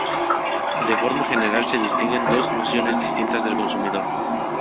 De forma general, se distinguen dos nociones distintas de consumidor.